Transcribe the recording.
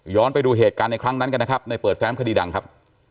ไปดูเหตุการณ์ในครั้งนั้นกันนะครับในเปิดแฟ้มคดีดังครับ